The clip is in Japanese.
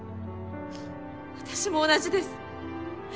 私も同じです。